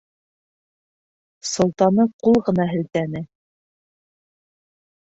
Солтаны ҡул ғына һелтәне.